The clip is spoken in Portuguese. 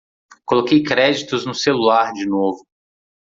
Coloquei créditos no celular, de novo